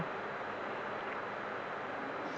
ต้องการหรอครับ